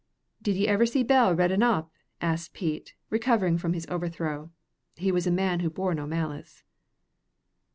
"Did ye ever see Bell reddin' up?" asked Pete, recovering from his overthrow. He was a man who bore no malice.